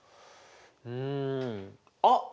うんあっ！